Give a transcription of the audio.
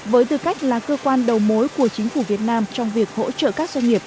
với tư cách là cơ quan đầu mối của chính phủ việt nam trong việc hỗ trợ các doanh nghiệp